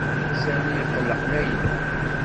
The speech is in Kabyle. Sami iqelleq Layla.